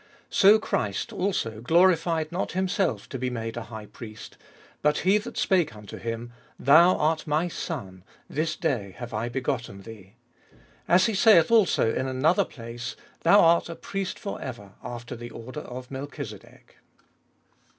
5. So Christ also glorified not Himself to be made a high priest, but he that spake unto H m, Thou art my Son, This day have I begotten thee : 6. As he saith also in another place, Thou art a priest for ever After the order of Melchizedek.